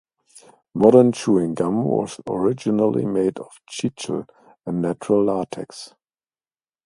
Modern chewing gum was originally made of chicle, a natural latex.